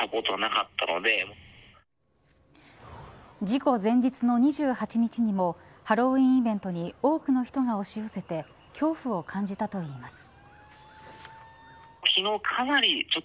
事故前日の２８日にもハロウィーンイベントに多くの人が押し寄せて恐怖を感じたといいます。